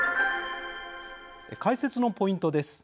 解説のポイントです。